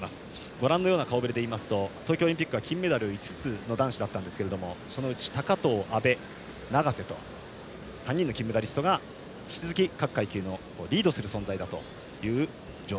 ご覧のような顔ぶれで言うと東京オリンピックは金メダル５つの男子でしたがそのうち高藤、阿部、永瀬と３人の金メダリストが引き続き各階級をリードする存在です。